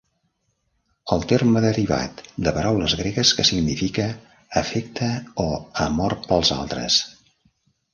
El terme derivat de paraules gregues que significa "afecte o amor pels altres".